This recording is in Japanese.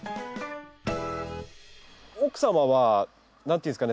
奥様は何て言うんですかね